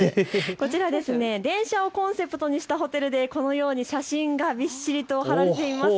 こちら電車をコンセプトにしたホテルで写真がびっしりと貼られています。